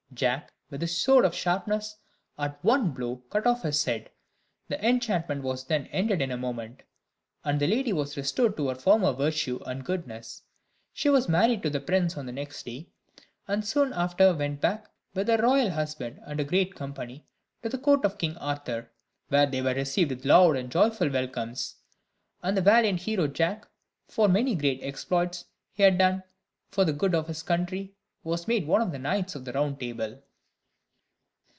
Jack, with his sword of sharpness, at one blow cut off his head; the enchantment was then ended in a moment, and the lady was restored to her former virtue and goodness. She was married to the prince on the next day, and soon after went back, with her royal husband and a great company, to the court of King Arthur, where they were received with loud and joyful welcomes; and the valiant hero Jack, for the many great exploits he had done for the good of his country, was made one of the knights of the Round Table.